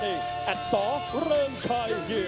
มีความรู้สึกว่า